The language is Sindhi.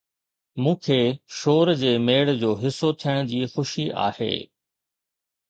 مون کي شور جي ميڙ جو حصو ٿيڻ جي خوشي آهي